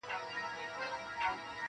زاړه خلک موضوع بدله کوي تل.